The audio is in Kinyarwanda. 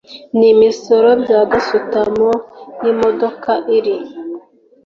n imisoro bya gasutamo y imodoka iri